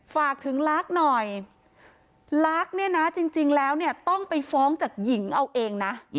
ฝากถึงลักษณ์หน่อยลักษณ์เนี่ยนะจริงแล้วเนี่ยต้องไปฟ้องจากหญิงเอาเองนะ